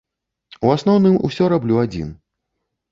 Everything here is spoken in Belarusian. У асноўным ўсё раблю адзін.